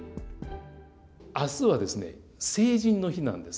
あすはですね、成人の日なんです。